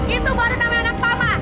itu baru namanya anak papa